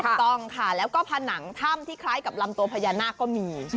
ถูกต้องค่ะแล้วก็ผนังถ้ำที่คล้ายกับลำตัวพญานาคก็มี